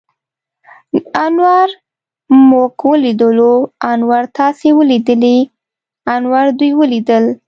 انور موږ وليدلو. انور تاسې وليدليٙ؟ انور دوی وليدل.